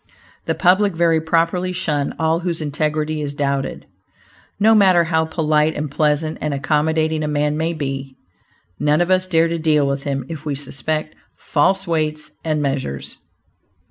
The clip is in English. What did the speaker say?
The public very properly shun all whose integrity is doubted. No matter how polite and pleasant and accommodating a man may be, none of us dare to deal with him if we suspect "false weights and measures."